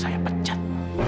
karena kamu saya pecat